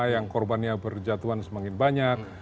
yang korbannya berjatuhan semakin banyak